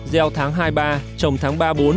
gieo tháng hai mươi ba trồng tháng ba mươi bốn